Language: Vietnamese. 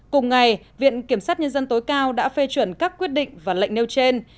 cùng ngày viện kiểm sát nhân dân tối cao đã phê chuẩn các quyết định và lệnh nêu trên